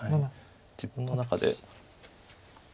自分の中で。